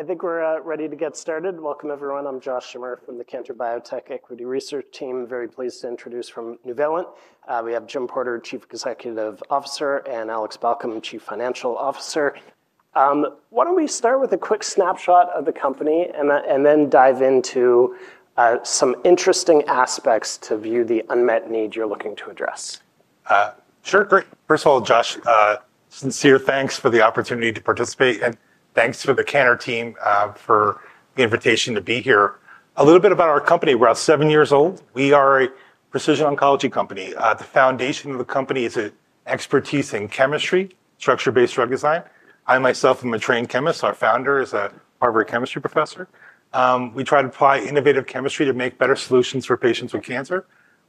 All right, I think we're ready to get started. Welcome, everyone. I'm Josh Schimmer from the Cantor Biotech Equity Research Team. Very pleased to introduce from Nuvalent, we have Jim Porter, Chief Executive Officer, and Alex Balcom, Chief Financial Officer. Why don't we start with a quick snapshot of the company, and then dive into some interesting aspects to view the unmet need you're looking to address? Sure. Great. First of all, Josh, sincere thanks for the opportunity to participate, and thanks to the Cantor team, for the invitation to be here. A little bit about our company. We're about seven years old. We are a precision oncology company. The foundation of the company is a expertise in chemistry, structure-based drug design. I myself am a trained chemist. Our founder is a Harvard chemistry professor. We try to apply innovative chemistry to make better solutions for patients with cancer.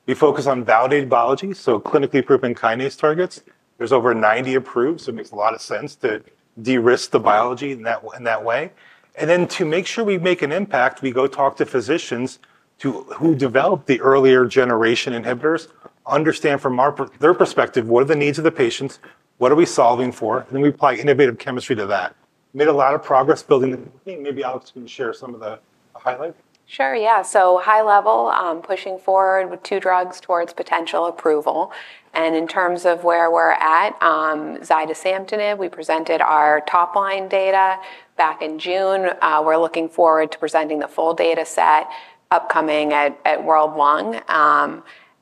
We focus on validated biology, so clinically proven kinase targets. There's over ninety approved, so it makes a lot of sense to de-risk the biology in that, in that way. And then, to make sure we make an impact, we go talk to physicians who developed the earlier generation inhibitors, understand from their perspective, what are the needs of the patients? What are we solving for? And then, we apply innovative chemistry to that. Made a lot of progress building the team. Maybe Alex can share some of the highlights. Sure, yeah. So high level, pushing forward with two drugs towards potential approval. And in terms of where we're at, zidesamtinib, we presented our top-line data back in June. We're looking forward to presenting the full dataset upcoming at World Lung.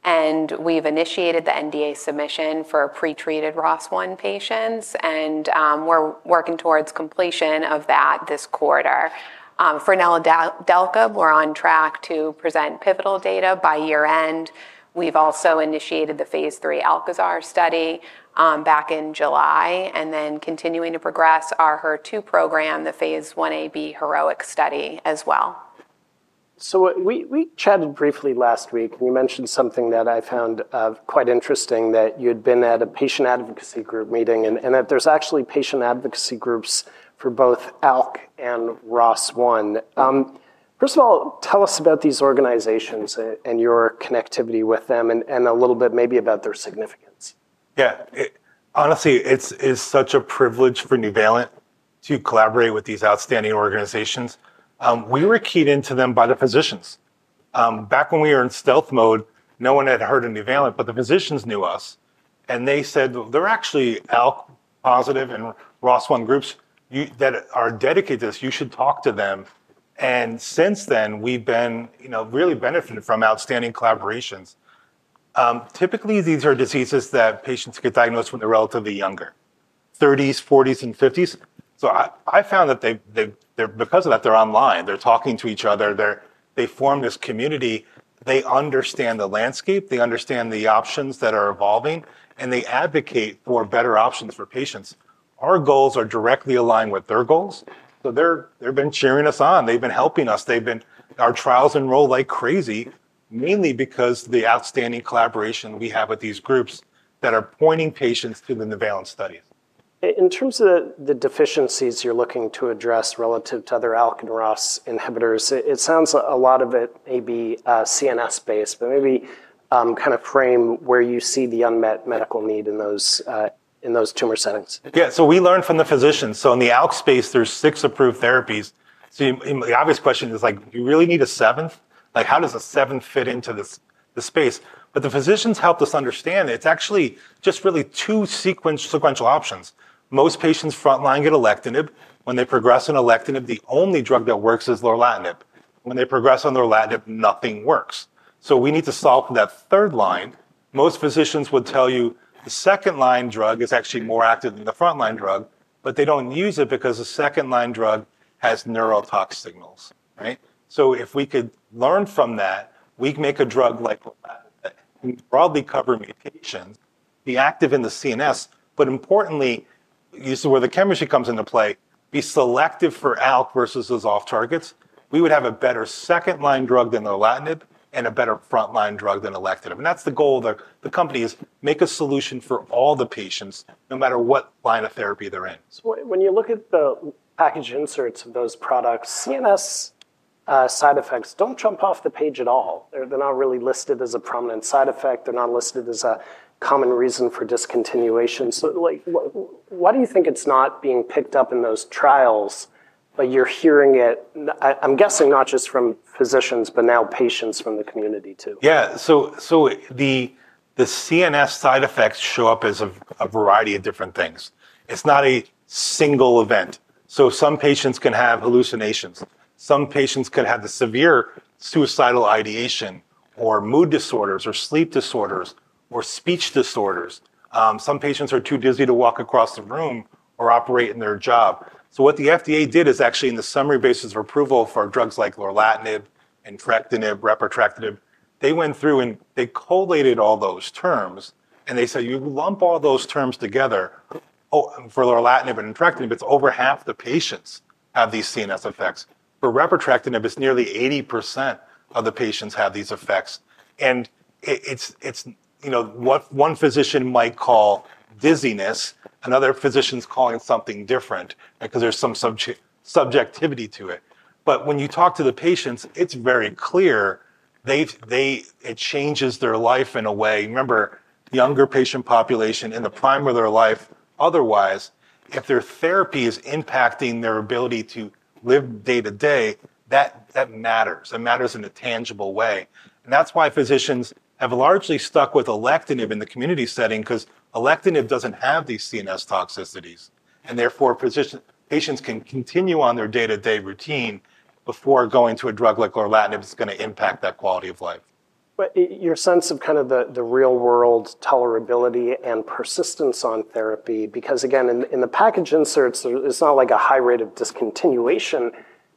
And we've initiated the NDA submission for pretreated ROS1 patients, and we're working towards completion of that this quarter. For NVL-655, we're on track to present pivotal data by year-end. We've also initiated the phase III ALKAZAR study back in July, and then continuing to progress our HER2 program, the phase Ia/Ib HEROIC study as well. We chatted briefly last week. You mentioned something that I found quite interesting, that you'd been at a patient advocacy group meeting, and that there's actually patient advocacy groups for both ALK and ROS1. First of all, tell us about these organizations and your connectivity with them, and a little bit maybe about their significance. Yeah. It honestly, it's such a privilege for Nuvalent to collaborate with these outstanding organizations. We were keyed into them by the physicians. Back when we were in stealth mode, no one had heard of Nuvalent, but the physicians knew us, and they said, "There are actually ALK-positive and ROS1 groups that are dedicated to this. You should talk to them." And since then, we've been, you know, really benefited from outstanding collaborations. Typically, these are diseases that patients get diagnosed when they're relatively younger, thirties, forties, and fifties. So I found that they, they're. Because of that, they're online. They're talking to each other. They form this community. They understand the landscape, they understand the options that are evolving, and they advocate for better options for patients. Our goals are directly aligned with their goals, so they've been cheering us on. They've been helping us. They've been... Our trials enroll like crazy, mainly because the outstanding collaboration we have with these groups that are pointing patients to the Nuvalent studies. In terms of the deficiencies you're looking to address relative to other ALK and ROS inhibitors, it sounds a lot of it may be CNS based, but maybe kind of frame where you see the unmet medical need in those tumor settings. Yeah. So we learn from the physicians. So in the ALK space, there's six approved therapies. So the obvious question is, like: Do you really need a seventh? Like, how does a seventh fit into this space? But the physicians helped us understand it's actually just really two sequential options. Most patients front line get alectinib. When they progress on alectinib, the only drug that works is lorlatinib. When they progress on lorlatinib, nothing works, so we need to solve that third line. Most physicians would tell you the second-line drug is actually more active than the front-line drug, but they don't use it because the second-line drug has neurotoxicity signals, right? So if we could learn from that, we can make a drug like. Broadly cover mutations, be active in the CNS, but importantly, this is where the chemistry comes into play, be selective for ALK versus those off targets. We would have a better second-line drug than lorlatinib and a better front-line drug than alectinib, and that's the goal of the company, is make a solution for all the patients, no matter what line of therapy they're in. So when you look at the package inserts of those products, CNS side effects don't jump off the page at all. They're not really listed as a prominent side effect. They're not listed as a common reason for discontinuation. So, like, why do you think it's not being picked up in those trials, but you're hearing it? I'm guessing not just from physicians, but now patients from the community, too? Yeah, so the CNS side effects show up as a variety of different things. It's not a single event. So some patients can have hallucinations. Some patients could have the severe suicidal ideation or mood disorders or sleep disorders or speech disorders. Some patients are too dizzy to walk across the room or operate in their job. So what the FDA did is actually, in the summary basis for approval for drugs like lorlatinib, entrectinib, repotrectinib, they went through, and they collated all those terms, and they said, "You lump all those terms together..." Oh, for lorlatinib and entrectinib, it's over half the patients have these CNS effects. For repotrectinib, it's nearly 80% of the patients have these effects, and you know, what one physician might call dizziness, another physician's calling something different because there's some subjectivity to it. But when you talk to the patients, it's very clear it changes their life in a way. Remember, younger patient population in the prime of their life. Otherwise, if their therapy is impacting their ability to live day to day, that matters. It matters in a tangible way, and that's why physicians have largely stuck with alectinib in the community setting, 'cause alectinib doesn't have these CNS toxicities, and therefore patients can continue on their day-to-day routine before going to a drug like lorlatinib that's gonna impact that quality of life. But your sense of kind of the real-world tolerability and persistence on therapy, because, again, in the package inserts, there. It's not, like, a high rate of discontinuation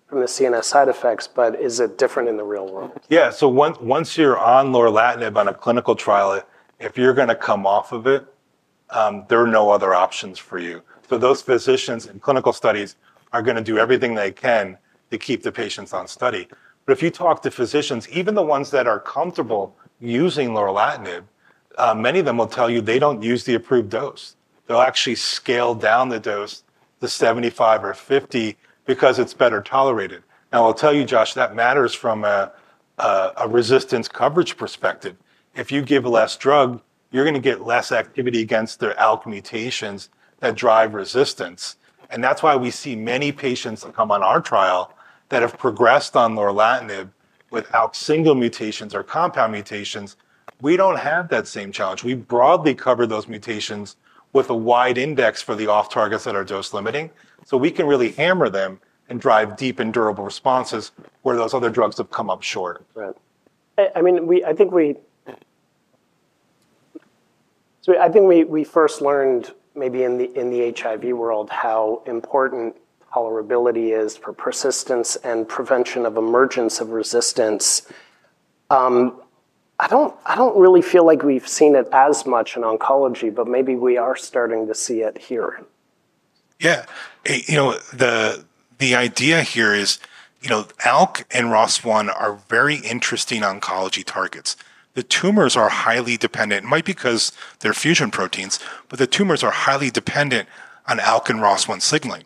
from the CNS side effects, but is it different in the real world? Yeah, so once you're on lorlatinib on a clinical trial, if you're gonna come off of it, there are no other options for you. So those physicians in clinical studies are gonna do everything they can to keep the patients on study. But if you talk to physicians, even the ones that are comfortable using lorlatinib, many of them will tell you they don't use the approved dose. They'll actually scale down the dose to 75 or 50 because it's better tolerated. Now, I'll tell you, Josh, that matters from a resistance coverage perspective. If you give less drug, you're gonna get less activity against their ALK mutations that drive resistance, and that's why we see many patients that come on our trial that have progressed on lorlatinib with ALK single mutations or compound mutations. We don't have that same challenge. We broadly cover those mutations with a wide index for the off targets that are dose-limiting, so we can really hammer them and drive deep and durable responses where those other drugs have come up short. Right. I mean, we first learned maybe in the HIV world how important tolerability is for persistence and prevention of emergence of resistance. I don't really feel like we've seen it as much in oncology, but maybe we are starting to see it here. Yeah. You know, the idea here is, you know, ALK and ROS1 are very interesting oncology targets. The tumors are highly dependent. It might be 'cause they're fusion proteins, but the tumors are highly dependent on ALK and ROS1 signaling.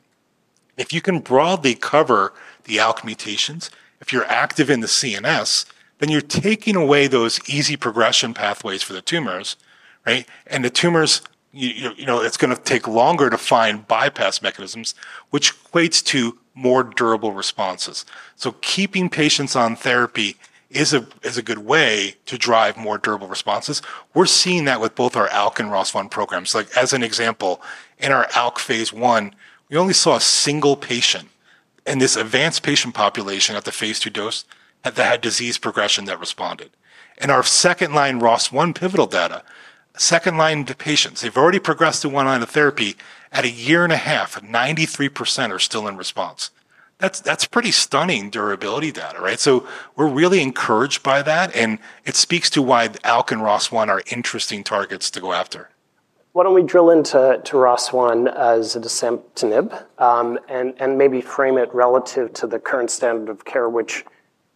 If you can broadly cover the ALK mutations, if you're active in the CNS, then you're taking away those easy progression pathways for the tumors, right? And the tumors, you know, it's gonna take longer to find bypass mechanisms, which equates to more durable responses. So keeping patients on therapy is a good way to drive more durable responses. We're seeing that with both our ALK and ROS1 programs. Like, as an example, in our ALK phase I, we only saw a single patient in this advanced patient population at the phase II dose that had disease progression that responded. In our second-line ROS1 pivotal data, second-line to patients, they've already progressed to one line of therapy. At a year and a half, 93% are still in response. That's, that's pretty stunning durability data, right? So we're really encouraged by that, and it speaks to why ALK and ROS1 are interesting targets to go after. Why don't we drill into ROS1 as zidesamtinib, and maybe frame it relative to the current standard of care, which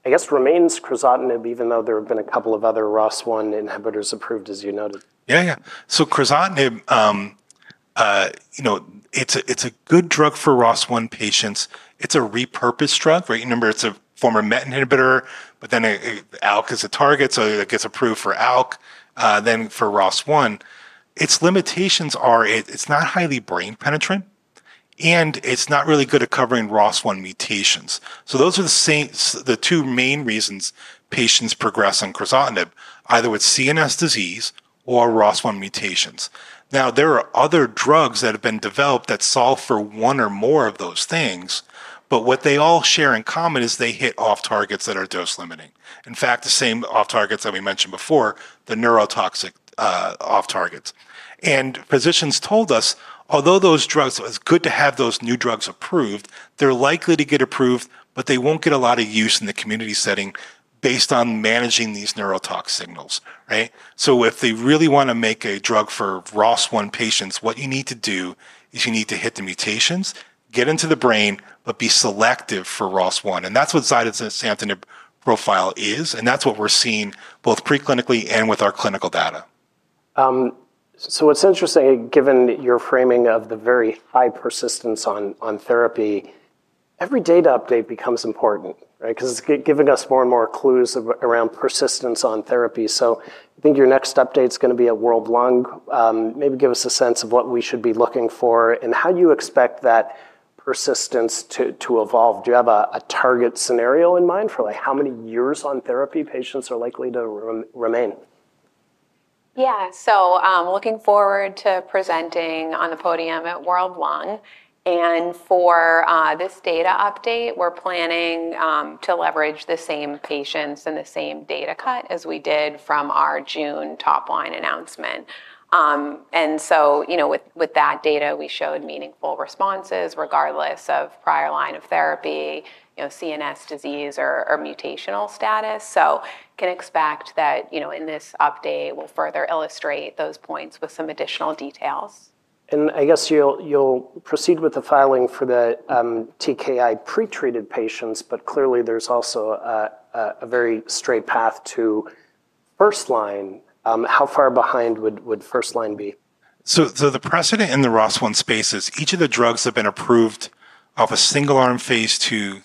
I guess remains crizotinib, even though there have been a couple of other ROS1 inhibitors approved, as you noted. Yeah, yeah. So crizotinib, you know, it's a good drug for ROS1 patients. It's a repurposed drug, right? Remember, it's a former MET inhibitor, but then ALK is a target, so it gets approved for ALK, then for ROS1. Its limitations are it's not highly brain-penetrant, and it's not really good at covering ROS1 mutations. So those are the same, the two main reasons patients progress on crizotinib, either with CNS disease or ROS1 mutations. Now, there are other drugs that have been developed that solve for one or more of those things, but what they all share in common is they hit off targets that are dose-limiting. In fact, the same off targets that we mentioned before, the neurotoxic off targets. And physicians told us, although those drugs... It's good to have those new drugs approved, they're likely to get approved, but they won't get a lot of use in the community setting based on managing these neurotoxicity signals, right? So if they really want to make a drug for ROS1 patients, what you need to do is you need to hit the mutations, get into the brain, but be selective for ROS1, and that's what zidesamtinib profile is, and that's what we're seeing both preclinically and with our clinical data. So what's interesting, given your framing of the very high persistence on therapy, every data update becomes important, right? 'Cause it's giving us more and more clues around persistence on therapy. So I think your next update's gonna be at World Lung. Maybe give us a sense of what we should be looking for, and how do you expect that persistence to evolve? Do you have a target scenario in mind for, like, how many years on therapy patients are likely to remain? Yeah. So, looking forward to presenting on the podium at World Lung, and for this data update, we're planning to leverage the same patients and the same data cut as we did from our June top-line announcement. And so, you know, with that data, we showed meaningful responses, regardless of prior line of therapy, you know, CNS disease or mutational status. So can expect that, you know, in this update, we'll further illustrate those points with some additional details. And I guess you'll proceed with the filing for the TKI pre-treated patients, but clearly, there's also a very straight path to first-line. How far behind would first-line be? So, the precedent in the ROS1 space is each of the drugs have been approved off a single-arm phase II,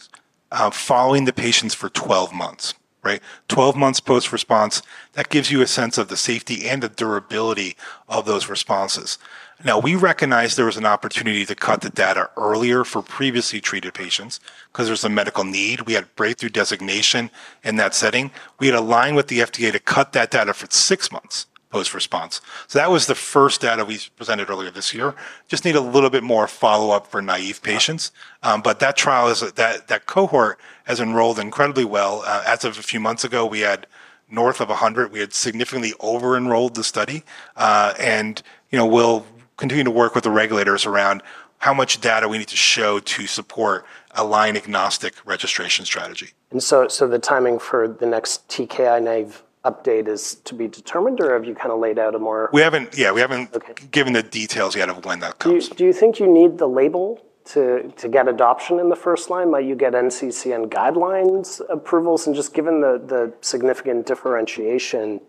following the patients for twelve months, right? Twelve months post-response, that gives you a sense of the safety and the durability of those responses. Now, we recognize there was an opportunity to cut the data earlier for previously treated patients 'cause there was a medical need. We had breakthrough designation in that setting. We had aligned with the FDA to cut that data for six months post-response. So that was the first data we presented earlier this year. Just need a little bit more follow-up for naive patients. But that trial is, that cohort has enrolled incredibly well. As of a few months ago, we had north of a hundred. We had significantly over-enrolled the study. You know, we'll continue to work with the regulators around how much data we need to show to support a line-agnostic registration strategy. And so, the timing for the next TKI-naive update is to be determined, or have you kinda laid out a more? Yeah, we haven't. Okay Given the details yet of when that comes. Do you think you need the label to get adoption in the first line? Might you get NCCN guidelines approvals? And just given the significant differentiation,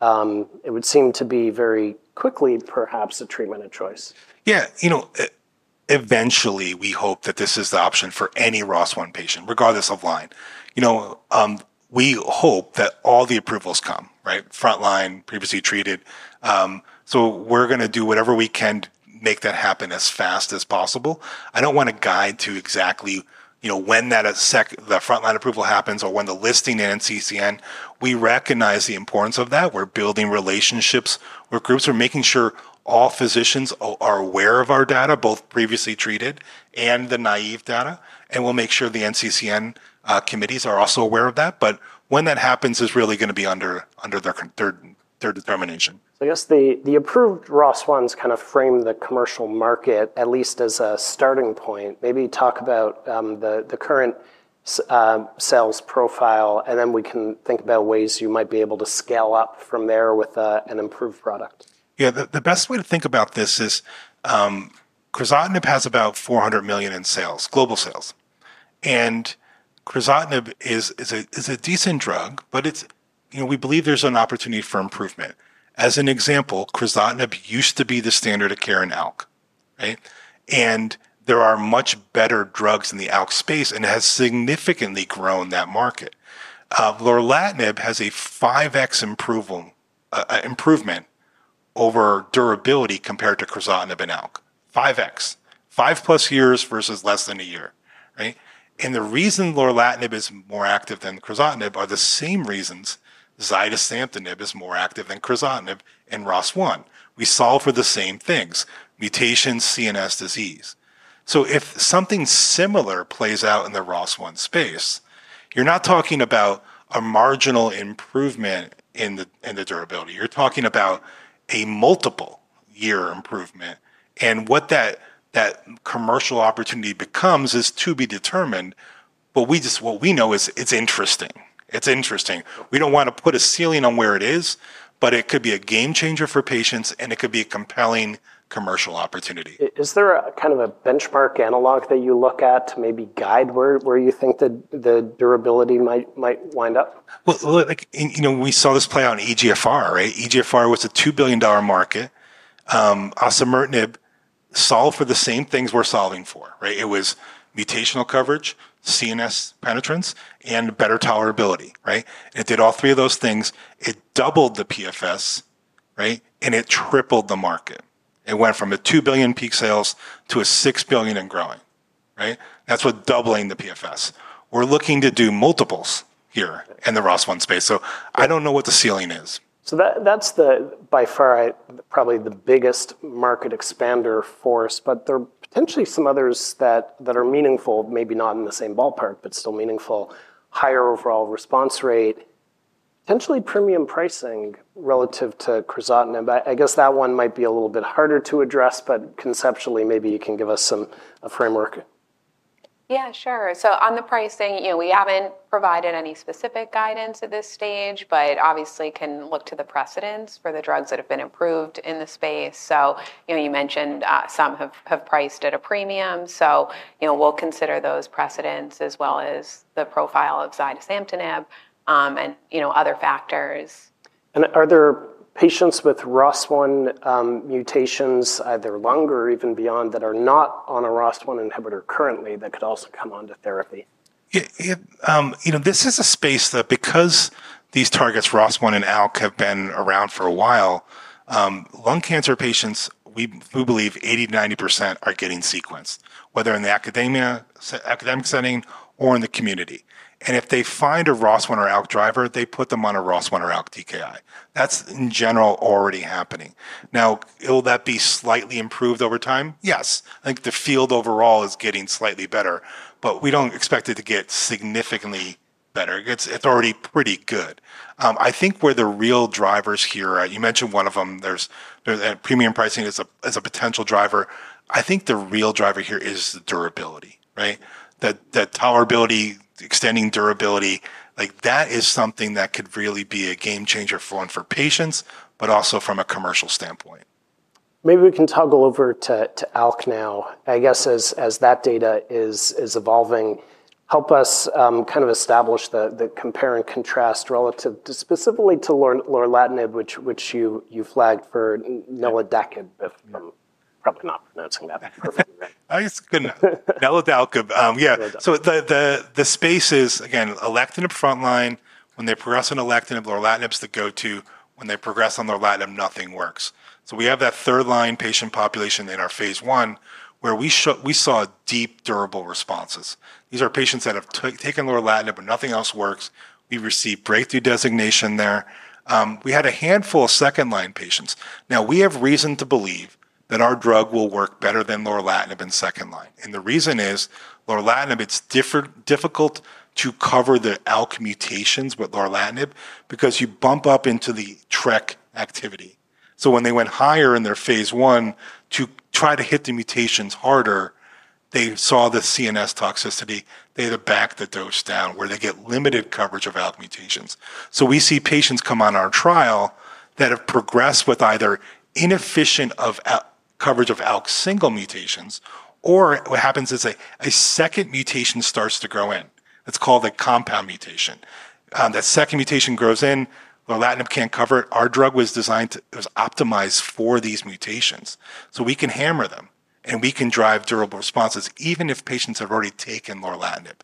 it would seem to be very quickly perhaps a treatment of choice. Yeah, you know, eventually, we hope that this is the option for any ROS1 patient, regardless of line. You know, we hope that all the approvals come, right? Front line, previously treated. So we're gonna do whatever we can to make that happen as fast as possible. I don't wanna guide to exactly, you know, when that the front-line approval happens or when the listing in NCCN. We recognize the importance of that. We're building relationships where groups are making sure all physicians are aware of our data, both previously treated and the naive data, and we'll make sure the NCCN committees are also aware of that. But when that happens is really gonna be under their control, their determination. I guess the approved ROS1s kind of frame the commercial market, at least as a starting point. Maybe talk about the current sales profile, and then we can think about ways you might be able to scale up from there with an improved product. Yeah, the best way to think about this is, crizotinib has about $400 million in sales, global sales. And crizotinib is a decent drug, but it's, you know, we believe there's an opportunity for improvement. As an example, crizotinib used to be the standard of care in ALK, right? And there are much better drugs in the ALK space, and it has significantly grown that market. Lorlatinib has a 5x improvement over durability compared to crizotinib in ALK. 5x. Five plus years versus less than a year, right? And the reason lorlatinib is more active than crizotinib are the same reasons zidesamtinib is more active than crizotinib in ROS1. We solve for the same things: mutations, CNS disease. So if something similar plays out in the ROS1 space, you're not talking about a marginal improvement in the durability. You're talking about a multiple-year improvement, and what that commercial opportunity becomes is to be determined, but we just, what we know is it's interesting. It's interesting. We don't wanna put a ceiling on where it is, but it could be a game changer for patients, and it could be a compelling commercial opportunity. Is there a kind of benchmark analogue that you look at to maybe guide where you think the durability might wind up? Look, like, and you know, we saw this play out in eGFR, right? eGFR was a $2 billion market. Osimertinib solved for the same things we're solving for, right? It was mutational coverage, CNS penetrance, and better tolerability, right? It did all three of those things. It doubled the PFS, right? And it tripled the market. It went from $2 billion peak sales to $6 billion and growing, right? That's with doubling the PFS. We're looking to do multiples here- Right In the ROS1 space, so I don't know what the ceiling is. So that, that's the, by far, probably the biggest market expander force, but there are potentially some others that are meaningful, maybe not in the same ballpark, but still meaningful. Higher overall response rate, potentially premium pricing relative to crizotinib. I guess that one might be a little bit harder to address, but conceptually, maybe you can give us some a framework. Yeah, sure. So on the pricing, you know, we haven't provided any specific guidance at this stage, but obviously can look to the precedents for the drugs that have been approved in the space. So, you know, you mentioned, some have priced at a premium, so, you know, we'll consider those precedents, as well as the profile of zidesamtinib, and, you know, other factors. Are there patients with ROS1 mutations, either lung or even beyond, that are not on a ROS1 inhibitor currently that could also come onto therapy? Yeah, yeah, you know, this is a space that because these targets, ROS1 and ALK, have been around for a while, lung cancer patients, we believe 80%-90% are getting sequenced, whether in the academia, academic setting or in the community. And if they find a ROS1 or ALK driver, they put them on a ROS1 or ALK TKI. That's, in general, already happening. Now, will that be slightly improved over time? Yes. I think the field overall is getting slightly better, but we don't expect it to get significantly better. It's, it's already pretty good. I think where the real drivers here are, you mentioned one of them, there's premium pricing is a, is a potential driver. I think the real driver here is the durability, right? That the tolerability extending durability, like that is something that could really be a game changer for one, for patients, but also from a commercial standpoint. Maybe we can toggle over to ALK now. I guess as that data is evolving, help us kind of establish the compare and contrast relative to-- specifically to lorlatinib, which you flagged for NVL-655. Yeah If I'm probably not pronouncing that perfectly right. NVL-655, yeah. Neladalkib. So the space is, again, alectinib frontline. When they progress on alectinib, lorlatinib's the go-to. When they progress on lorlatinib, nothing works. So we have that third line patient population in our phase one, where we saw deep, durable responses. These are patients that have taken lorlatinib, but nothing else works. We've received breakthrough designation there. We had a handful of second-line patients. Now, we have reason to believe that our drug will work better than lorlatinib in second line, and the reason is, lorlatinib, it's difficult to cover the ALK mutations with lorlatinib because you bump up into the TRK activity. So when they went higher in their phase one to try to hit the mutations harder, they saw the CNS toxicity. They had to back the dose down, where they get limited coverage of ALK mutations. We see patients come on our trial that have progressed with either inefficient coverage of ALK single mutations, or what happens is a second mutation starts to grow in. That's called a compound mutation. That second mutation grows in, lorlatinib can't cover it. Our drug was designed to, it was optimized for these mutations, so we can hammer them, and we can drive durable responses, even if patients have already taken lorlatinib.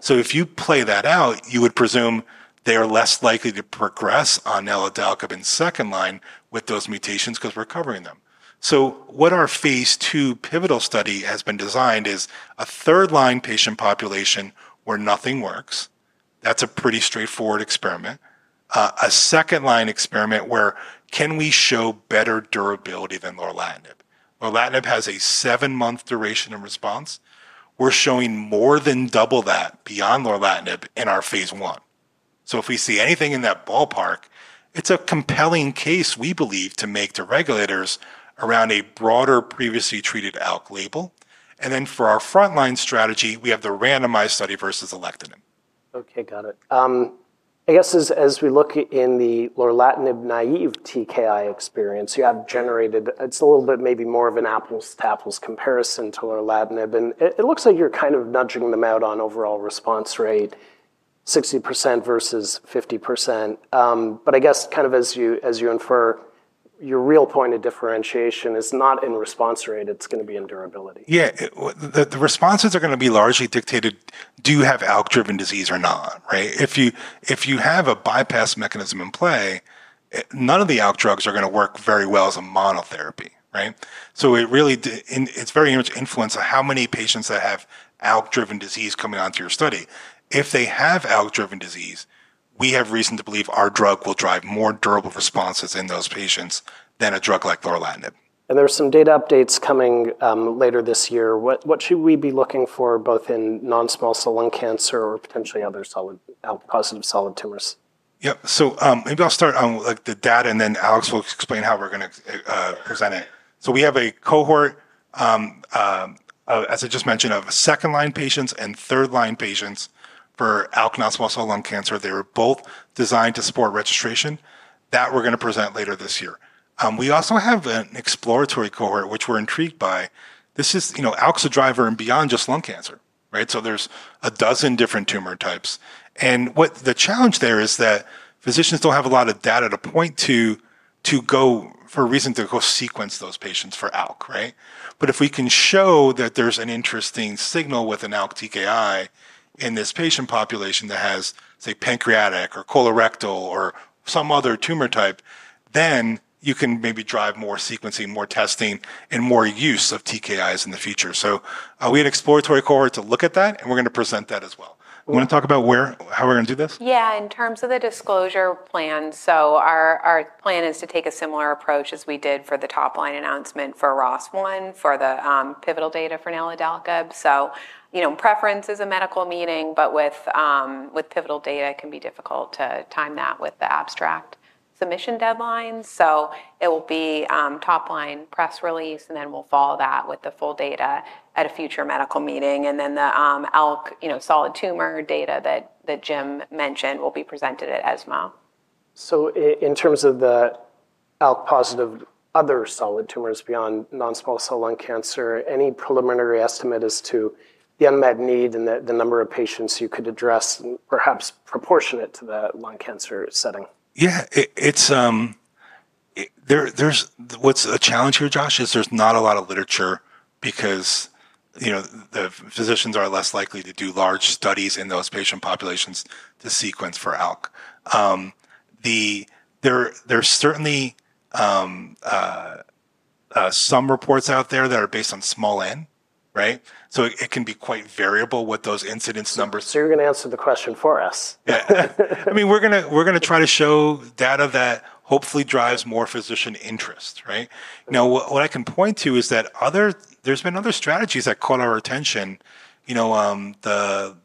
So if you play that out, you would presume they are less likely to progress on NVL-655 in second line with those mutations, 'cause we're covering them. So what our phase two pivotal study has been designed is a third line patient population where nothing works. That's a pretty straightforward experiment. A second line experiment where, can we show better durability than lorlatinib? Lorlatinib has a seven-month duration and response. We're showing more than double that beyond lorlatinib in our phase one. So if we see anything in that ballpark, it's a compelling case, we believe, to make to regulators around a broader previously treated ALK label, and then for our frontline strategy, we have the randomized study versus alectinib. Okay, got it. I guess as we look in the lorlatinib-naive TKI experience, you have generated. It's a little bit maybe more of an apples to apples comparison to lorlatinib, and it looks like you're kind of nudging them out on overall response rate, 60% versus 50%. But I guess, kind of as you infer, your real point of differentiation is not in response rate. It's gonna be in durability. Yeah, well, the responses are gonna be largely dictated, do you have ALK-driven disease or not, right? If you have a bypass mechanism in play, none of the ALK drugs are gonna work very well as a monotherapy, right? So it really and it's very much influenced by how many patients that have ALK-driven disease coming onto your study. If they have ALK-driven disease, we have reason to believe our drug will drive more durable responses in those patients than a drug like lorlatinib. There are some data updates coming later this year. What should we be looking for, both in non-small cell lung cancer or potentially other solid tumors, ALK-positive solid tumors? Yeah, so, maybe I'll start on, like, the data, and then Alex will explain how we're gonna present it. So we have a cohort, as I just mentioned, of second-line patients and third-line patients for ALK non-small cell lung cancer. They were both designed to support registration. That, we're gonna present later this year. We also have an exploratory cohort, which we're intrigued by. This is, you know, ALK's the driver and beyond just lung cancer, right? So there's a dozen different tumor types, and what the challenge there is that physicians don't have a lot of data to point to, to go for a reason to go sequence those patients for ALK, right? But if we can show that there's an interesting signal with an ALK TKI in this patient population that has, say, pancreatic or colorectal or some other tumor type, then you can maybe drive more sequencing, more testing, and more use of TKIs in the future. So, we had an exploratory cohort to look at that, and we're gonna present that as well. You wanna talk about where, how we're gonna do this? Yeah, in terms of the disclosure plan, so our plan is to take a similar approach as we did for the top-line announcement for ROS1, for the pivotal data for NVL-655. So, you know, preference is a medical meeting, but with pivotal data, it can be difficult to time that with the abstract submission deadlines. So it will be top-line press release, and then we'll follow that with the full data at a future medical meeting. And then the ALK, you know, solid tumor data that Jim mentioned will be presented at ESMO. In terms of the ALK-positive other solid tumors beyond non-small cell lung cancer, any preliminary estimate as to the unmet need and the number of patients you could address, perhaps proportionate to that lung cancer setting? Yeah, it's what's a challenge here, Josh, is there's not a lot of literature because, you know, the physicians are less likely to do large studies in those patient populations to sequence for ALK. There's certainly some reports out there that are based on small n, right? So it can be quite variable what those incidence numbers- So you're gonna answer the question for us. Yeah. I mean, we're gonna try to show data that hopefully drives more physician interest, right? Now, what I can point to is that other strategies that caught our attention. You know, the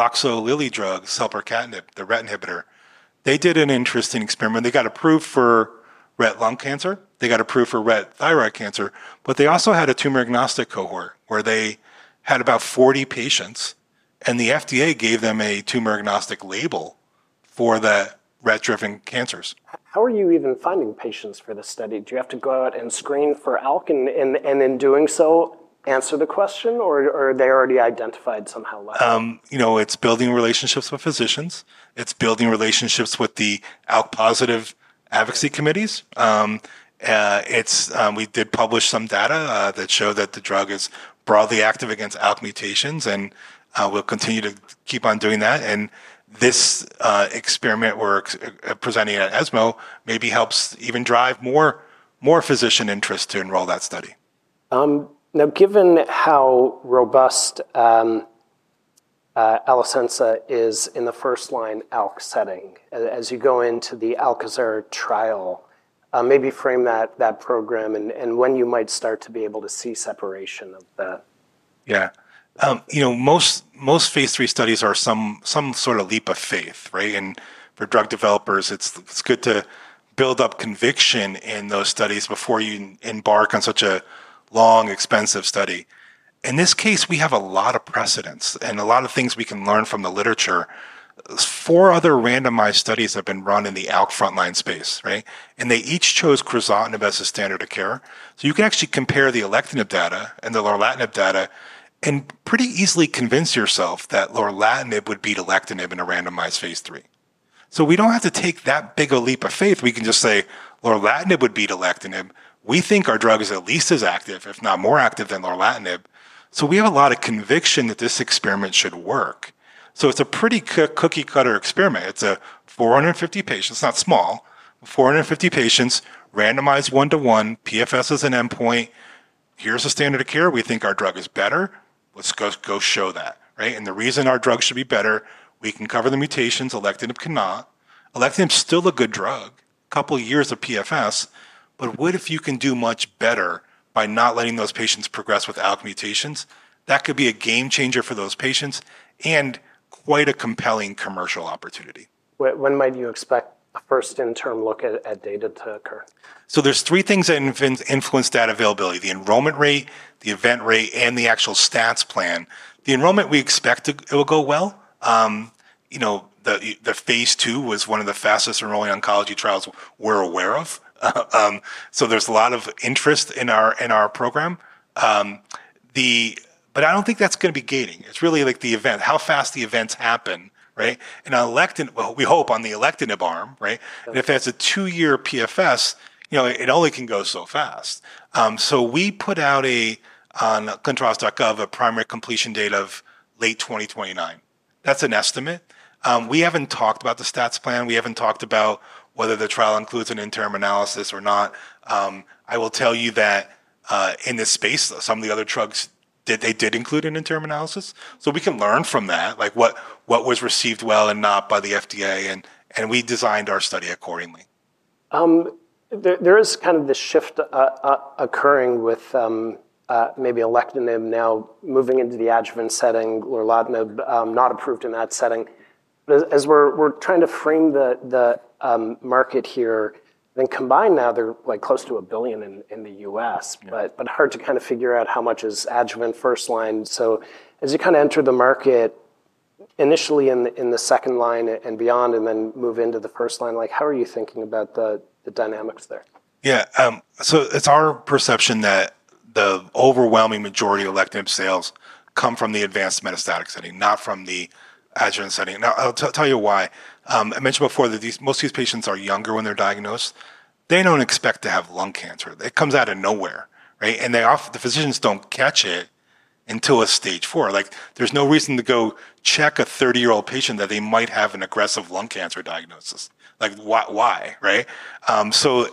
Loxo Lilly drug, selpercatinib, the RET inhibitor, they did an interesting experiment. They got approved for RET lung cancer. They got approved for RET thyroid cancer. But they also had a tumor-agnostic cohort, where they had about 40 patients, and the FDA gave them a tumor-agnostic label for the RET-driven cancers. How are you even finding patients for this study? Do you have to go out and screen for ALK, and in doing so, answer the question, or are they already identified somehow otherwise? You know, it's building relationships with physicians, it's building relationships with the ALK-positive advocacy committees. We did publish some data that showed that the drug is broadly active against ALK mutations, and we'll continue to keep on doing that. And this experiment we're presenting at ESMO maybe helps even drive more physician interest to enroll that study. Now, given how robust Alecensa is in the first-line ALK setting, as you go into the ALKAZAR trial, maybe frame that program and when you might start to be able to see separation of that. Yeah. You know, most phase III studies are some sort of leap of faith, right? And for drug developers, it's good to build up conviction in those studies before you embark on such a long, expensive study. In this case, we have a lot of precedents and a lot of things we can learn from the literature. Four other randomized studies have been run in the ALK front-line space, right? And they each chose crizotinib as a standard of care. So you can actually compare the alectinib data and the lorlatinib data and pretty easily convince yourself that lorlatinib would beat alectinib in a randomized phase III. So we don't have to take that big a leap of faith. We can just say lorlatinib would beat alectinib. We think our drug is at least as active, if not more active, than lorlatinib. We have a lot of conviction that this experiment should work. It's a pretty cookie-cutter experiment. It's four hundred and fifty patients, not small, four hundred and fifty patients, randomized one to one, PFS as an endpoint. Here's the standard of care. We think our drug is better. Let's go, go show that, right? The reason our drug should be better: we can cover the mutations, alectinib cannot. Alectinib's still a good drug, couple of years of PFS, but what if you can do much better by not letting those patients progress with ALK mutations? That could be a game changer for those patients and quite a compelling commercial opportunity. When might you expect a first interim look at data to occur? So there's three things that influence data availability: the enrollment rate, the event rate, and the actual stats plan. The enrollment, we expect it will go well. You know, the phase II was one of the fastest-enrolling oncology trials we're aware of. So there's a lot of interest in our program. But I don't think that's gonna be gating. It's really, like, the event, how fast the events happen, right? And alectinib - well, we hope on the alectinib arm, right? Yeah. And if that's a two-year PFS, you know, it only can go so fast. So we put out a, on clinicaltrials.gov, a primary completion date of late 2029. That's an estimate. We haven't talked about the stats plan, we haven't talked about whether the trial includes an interim analysis or not. I will tell you that, in this space, some of the other drugs did include an interim analysis, so we can learn from that. Like, what was received well and not by the FDA, and we designed our study accordingly. There is kind of this shift occurring with maybe alectinib now moving into the adjuvant setting, lorlatinib not approved in that setting. As we're trying to frame the market here, then combined now, they're like close to $1 billion in the U.S. Yeah. But hard to kind of figure out how much is adjuvant first line. So as you kind of enter the market, initially in the second line and beyond, and then move into the first line, like, how are you thinking about the dynamics there? Yeah. So it's our perception that the overwhelming majority of alectinib sales come from the advanced metastatic setting, not from the adjuvant setting. Now, I'll tell you why. I mentioned before that most of these patients are younger when they're diagnosed. They don't expect to have lung cancer. It comes out of nowhere, right? And often the physicians don't catch it until it's stage IV. Like, there's no reason to go check a thirty-year-old patient that they might have an aggressive lung cancer diagnosis. Like, why? Why, right? So,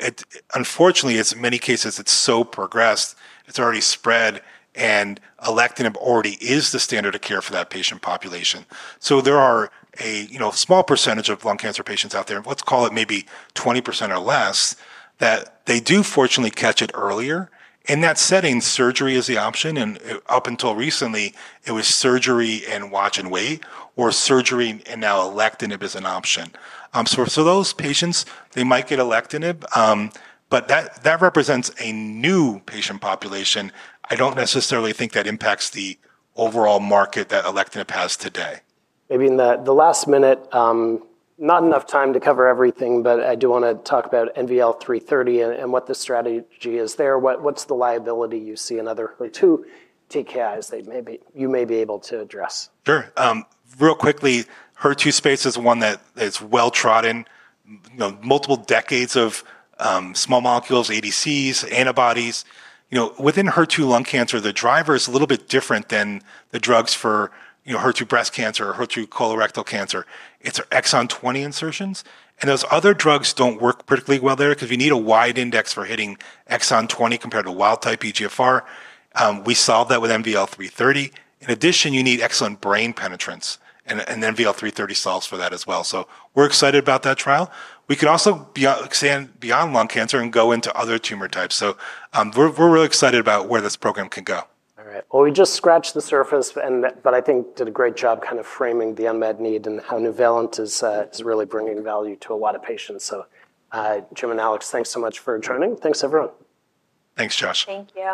unfortunately, in many cases, it's so progressed, it's already spread, and alectinib already is the standard of care for that patient population. So there are, you know, a small percentage of lung cancer patients out there, let's call it maybe 20% or less, that they do fortunately catch it earlier. In that setting, surgery is the option, and up until recently, it was surgery and watch and wait, or surgery, and now alectinib is an option. Those patients, they might get alectinib, but that represents a new patient population. I don't necessarily think that impacts the overall market that alectinib has today. Maybe in the last minute, not enough time to cover everything, but I do wanna talk about NVL-330 and what the strategy is there. What's the liability you see in other HER2 TKIs that maybe, you may be able to address? Sure. Real quickly, HER2 space is one that is well-trodden. You know, multiple decades of small molecules, ADCs, antibodies. You know, within HER2 lung cancer, the driver is a little bit different than the drugs for, you know, HER2 breast cancer or HER2 colorectal cancer. It's Exon 20 insertions, and those other drugs don't work particularly well there because you need a wide index for hitting exon 20 compared to wild-type eGFR. We solved that with NVL-330. In addition, you need excellent brain penetrance, and NVL-330 solves for that as well. So we're excited about that trial. We could also expand beyond lung cancer and go into other tumor types. So we're really excited about where this program can go. All right. Well, we just scratched the surface, and but I think did a great job kind of framing the unmet need and how Nuvalent is really bringing value to a lot of patients. So, Jim and Alex, thanks so much for joining. Thanks, everyone. Thanks, Josh. Thank you.